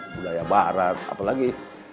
budaya barat apalagi